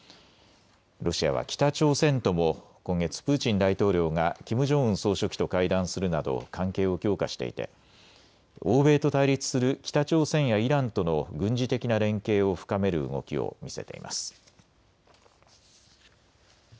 ロシアは北朝鮮とも今月、プーチン大統領がキム・ジョンウン総書記と会談するなど関係を強化していて欧米と対立する北朝鮮やイランとの軍事的な連携を深める動きを見せています。